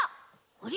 あれ？